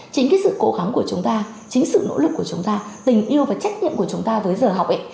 chính cái sự cố gắng của chúng ta chính sự nỗ lực của chúng ta tình yêu và trách nhiệm của chúng ta với giờ học